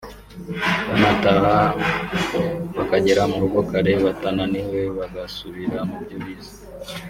banataha bakagera mu rugo kare batananiwe bagasubira mu byo bize